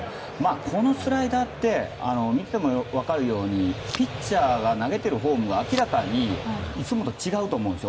このスライダーって見ても分かるようにピッチャーが投げているフォームが明らかにいつもと違うと思うんです。